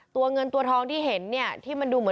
ตัวเงินน่ะทองที่เห็นเนี่ย